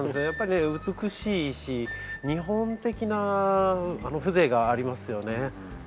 やっぱりね美しいし日本的な風情がありますよね。